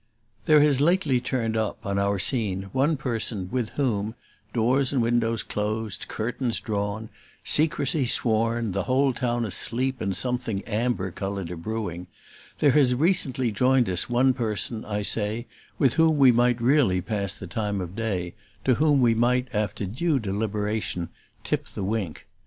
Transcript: There has lately turned up, on our scene, one person with whom, doors and windows closed, curtains drawn, secrecy sworn, the whole town asleep and something amber colored a brewing there has recently joined us one person, I say, with whom we might really pass the time of day, to whom we might, after due deliberation, tip the wink.